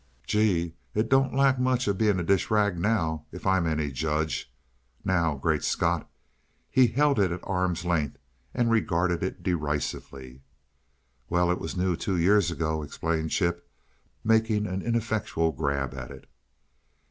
"Gee! It don't lack much of being a dish rag, now, if I'm any judge. Now! Great Scott!" He held it at arm's length and regarded it derisively. "Well, it was new two years ago," explained Chip, making an ineffectual grab at it.